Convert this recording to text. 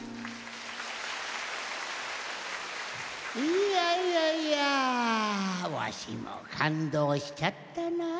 いやいやいやわしもかんどうしちゃったな。